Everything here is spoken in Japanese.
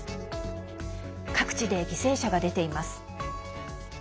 各地で犠牲者が出ています。